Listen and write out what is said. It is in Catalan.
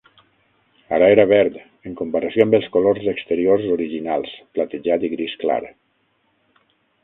Ara era verd, en comparació amb els colors exteriors originals platejat i gris clar.